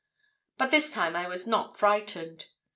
"But this time I was not frightened.